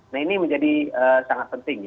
nah ini menjadi sangat penting